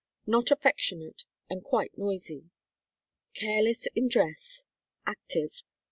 Not affectionate and quite noisy. Careless in dress. Active.